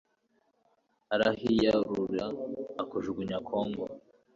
arahiyarura akujugunya kongo